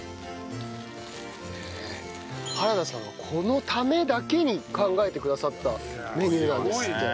原田さんがこのためだけに考えてくださったメニューなんですって。